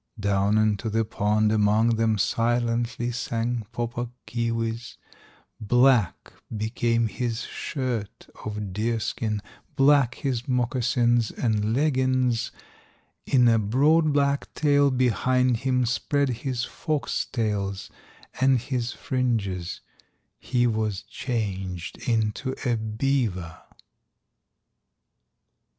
Down into the pond among them Silently sank Pau Puk Keewis; Black became his shirt of deer skin, Black his moccasins and leggins, In a broad black tail behind him Spread his fox tails and his fringes; He was changed into a beaver.